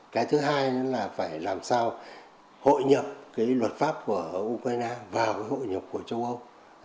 cái thứ hai là phải làm sao hội nhập cái luật pháp của ukraine vào cái hội nhập của châu âu